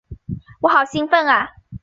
我好兴奋啊！